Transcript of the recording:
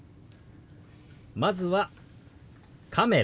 まずは「カメラ」。